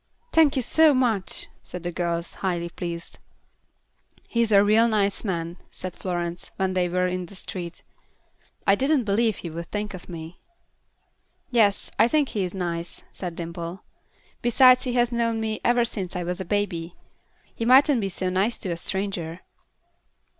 "Thank you so much," said the girls, highly pleased. "He is a real nice man," said Florence, when they were in the street. "I didn't believe he would think of me." "Yes, I think he is nice," said Dimple; "besides he has known me ever since I was a baby; he mightn't be so nice to a stranger."